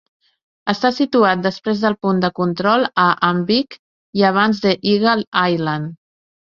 Està situat després del punt de control a Anvik i abans d'Eagle Island.